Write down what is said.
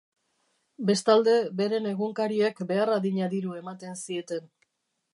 Bestalde, beren egunkariek behar adina diru ematen zieten.